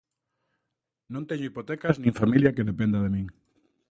Non teño hipotecas nin familia que dependa de min.